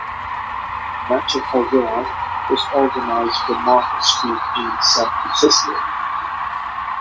Much of her work was organized from Market Street in San Francisco.